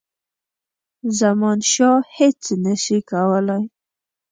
زمانشاه هیچ نه سي کولای.